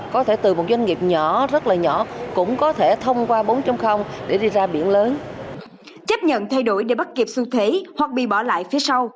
chấp nhận thay đổi để bắt kịp xu thế hoặc bị bỏ lại phía sau